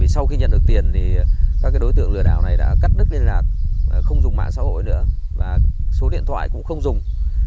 sau khi nhận được tiền các đối tượng lừa đảo này đã cắt đứt liên lạc không dùng mạng xã hội nữa và số điện thoại cũng không dùng